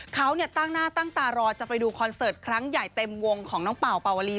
เขาตั้งหน้าตั้งตารอจะไปดูคอนเสิร์ตครั้งใหญ่เต็มวงของน้องเป่าเป่าวลี